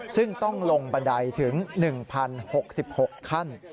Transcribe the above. ซึ่งต้องลงบันไดถึง๑๐๖๖ขั้น